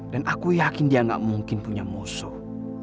dan aku yakin dia gak mungkin punya musuh